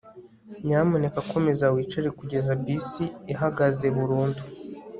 nyamuneka komeza wicare kugeza bisi ihagaze burundu